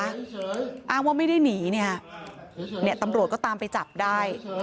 อ้างว่าไม่ได้หนีเนี่ยตำรวจก็ตามไปจับได้